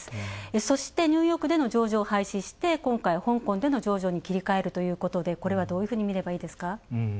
そして、ニューヨークでの上場を廃止して今回、香港での上場に切り替えるということで、これはどういうふうに見ればいいですか？